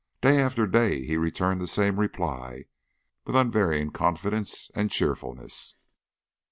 Day after day he returned the same reply with unvarying confidence and cheerfulness.